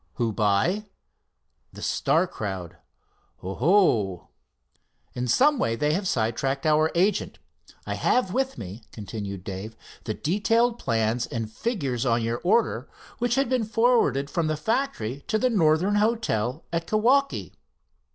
"Who by?" "The Star crowd." "Oh!" "In some way they have sidetracked our agent. I have with me," continued Dave, "the detailed plans and figures on your order, which had been forwarded from the factory to the Northern Hotel, at Kewaukee."